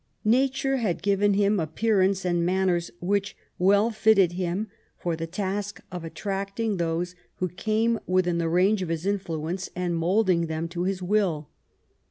Nature had given him appearance and man ners which well fitted him for the task of attracting those who came within the range of his influence and moulding them to his will.